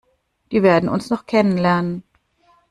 Die werden uns noch kennenlernen!